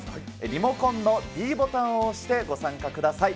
リモコンのｄボタンを押して、ご参加ください。